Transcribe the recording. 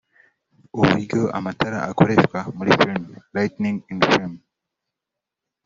uburyo amatara akoreshwa muri film (Lighting in film)